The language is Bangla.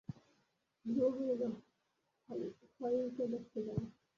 ধ্রুব বলিল, হয়িকে দেখতে যাব।